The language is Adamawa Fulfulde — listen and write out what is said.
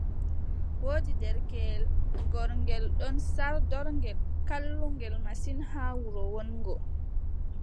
Woodi derkeyel gorngel ɗon, saldorngel, kallungel masin haa wuro wonngo.